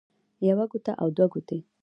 يوه ګوته او دوه ګوتې